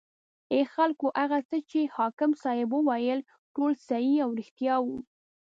ای خلکو هغه څه چې حاکم صیب وویل ټول صحیح او ریښتیا و.